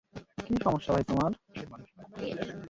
সে মানুষ নয়।